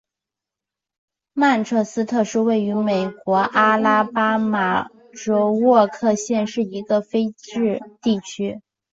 曼彻斯特是位于美国阿拉巴马州沃克县的一个非建制地区。